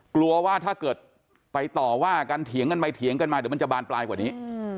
กลัวว่าถ้าเกิดไปต่อว่ากันเถียงกันไปเถียงกันมาเดี๋ยวมันจะบานปลายกว่านี้